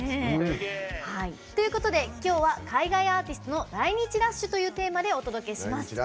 ということで、きょうは海外アーティストの来日ラッシュというテーマでお届けします。